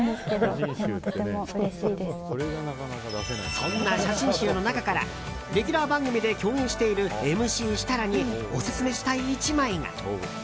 そんな写真集の中からレギュラー番組で共演しているＭＣ設楽にオススメしたい１枚が。